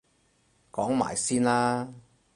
講埋先啦